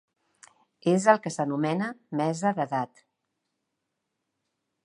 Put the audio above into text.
És el que s’anomena mesa d’edat.